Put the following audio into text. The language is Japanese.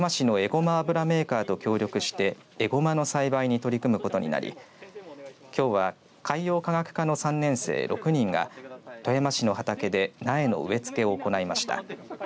ごま油メーカーと協力してえごまの栽培に取り組むことになりきょうは、海洋科学科の３年生６人が富山市の畑で苗の植え付けを行いました。